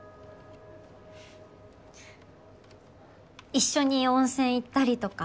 一緒に温泉行ったりとか？